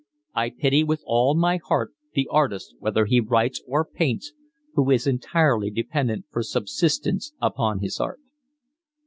I pity with all my heart the artist, whether he writes or paints, who is entirely dependent for subsistence upon his art."